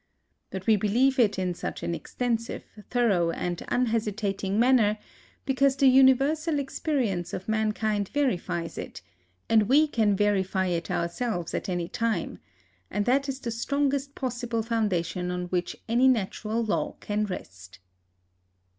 But we believe it in such an extensive, thorough, and unhesitating manner because the universal experience of mankind verifies it, and we can verify it ourselves at any time; and that is the strongest possible foundation on which any natural law can rest.